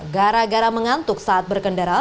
gara gara mengantuk saat berkendara